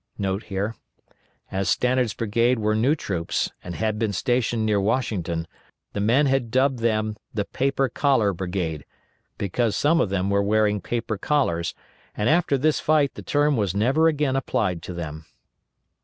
[* As Stannard's brigade were new troops, and had been stationed near Washington, the men had dubbed them The Paper Collar Brigade, because some of them were seen wearing paper collars, but after this fight the term was never again applied to them.